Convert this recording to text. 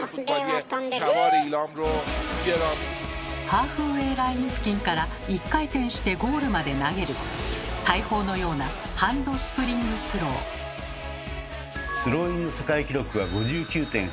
ハーフウェーライン付近から１回転してゴールまで投げる大砲のようなハンドスプリングスロー。